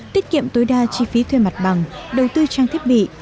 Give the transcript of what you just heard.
tiết kiệm tối đa chi phí thuê mặt bằng đầu tư trang thiết bị